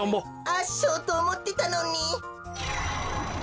あっしょうとおもってたのに。